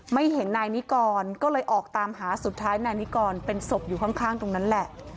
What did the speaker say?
ไม่เห็นนายนิกรก็เลยออกตามหาสุดท้ายนายนิกรเป็นศพอยู่ข้างตรงนั้นแหละ